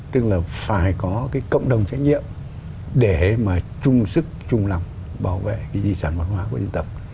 tức là phải có cái cộng đồng trách nhiệm để mà chung sức chung lòng bảo vệ cái di sản văn hóa của dân tộc